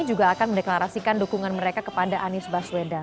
juga akan mendeklarasikan dukungan mereka kepada anies baswedan